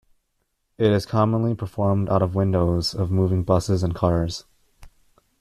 It is commonly performed out of windows of moving buses and cars.